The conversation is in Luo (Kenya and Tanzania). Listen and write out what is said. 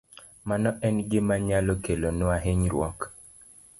Mano en gima nyalo kelonwa hinyruok.